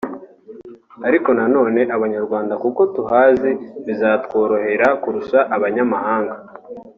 Ariko na none abanyarwanda kuko tuhazi bizatworohera kurusha abanyamahanga